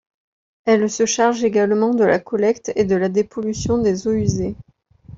Elle se charge également de la collecte et de la dépollution des eaux usées.